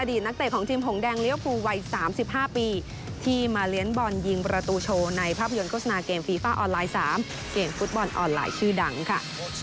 นักเตะของทีมหงแดงเลี้ยวภูวัย๓๕ปีที่มาเลี้ยงบอลยิงประตูโชว์ในภาพยนตร์โฆษณาเกมฟีฟ่าออนไลน์๓เกมฟุตบอลออนไลน์ชื่อดังค่ะ